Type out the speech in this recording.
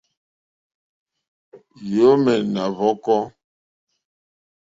Lyǒmɛ̀ nà yɔ̀kɔ́.